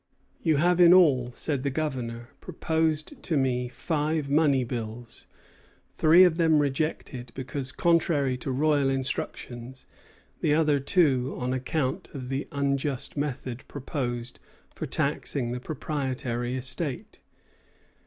"You have in all," said the Governor, "proposed to me five money bills, three of them rejected because contrary to royal instructions; the other two on account of the unjust method proposed for taxing the proprietary estate.